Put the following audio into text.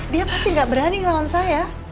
dia pasti gak berani melawan saya